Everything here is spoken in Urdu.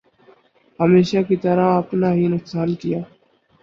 ہمیشہ کی طرح اپنا ہی نقصان کیا ۔